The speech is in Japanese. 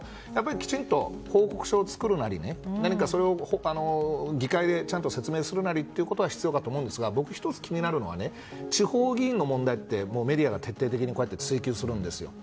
きちんと報告書を作るなり議会で説明することが必要かと思うんですが僕が１つ気になるのは地方議員の問題ってメディアが、徹底的にこうやって追及するんですよ。